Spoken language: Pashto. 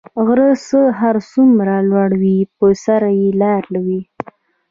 غر څه هر څومره لوړ وی په سر ئي لاره وی